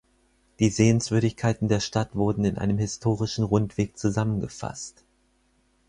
Die Sehenswürdigkeiten der Stadt wurden in einem historischen Rundweg zusammengefasst.